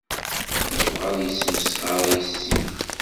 Yebɣa ad yesmesxer yes-i.